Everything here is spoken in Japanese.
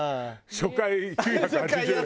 初回９８０円。